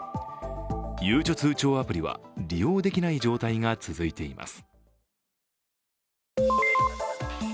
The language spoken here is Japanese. ゆうちょ通帳アプリは利用できない状態が続いています。